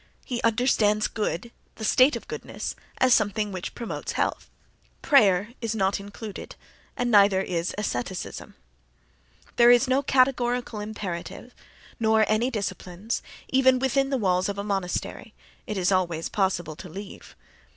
He understands good, the state of goodness, as something which promotes health. Prayer is not included, and neither is asceticism. There is no categorical imperative nor any disciplines, even within the walls of a monastery (—it is always possible to leave—).